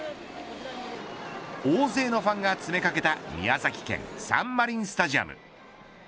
大勢のファンが詰め掛けた宮崎県サンマリンスタジアム。